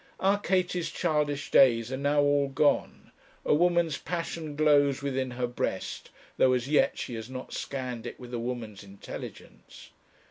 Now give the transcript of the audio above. Our Katie's childish days are now all gone. A woman's passion glows within her breast, though as yet she has not scanned it with a woman's intelligence.